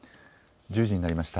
１０時になりました。